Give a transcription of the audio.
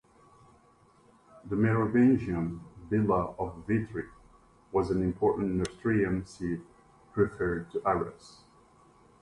The Merovingian villa of Vitry was an important Neustrian seat, preferred to Arras.